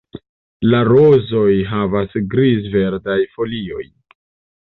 La rozoj havas griz-verdaj folioj.